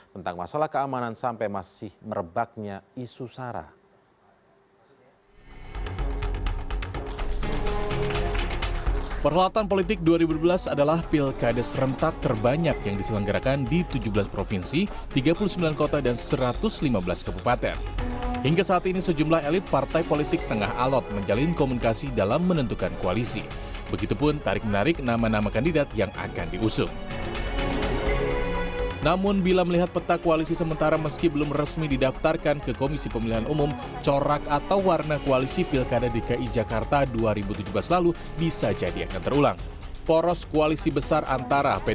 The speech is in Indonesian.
tentang masalah keamanan sampai masih merebaknya isu sara